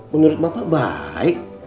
menurut bapak baik